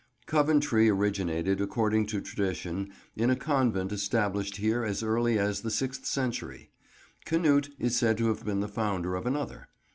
COVENTRY originated, according to tradition, in a convent established here as early as the sixth century. Canute is said to have been the founder of another.